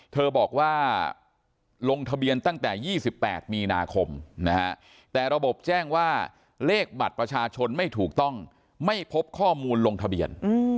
เธอบอกว่าลงทะเบียนตั้งแต่๒๘มีนาคมนะฮะแต่ระบบแจ้งว่าเลขบัตรประชาชนไม่ถูกต้องไม่พบข้อมูลลงทะเบียน